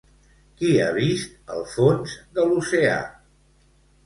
Qui ha vist el fons de l'oceà?